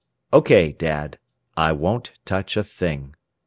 "OK, Dad. I won't touch a thing.